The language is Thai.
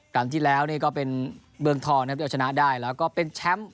ครั้งที่แล้วนี่ก็เป็นเมืองทองนะครับที่เอาชนะได้แล้วก็เป็นแชมป์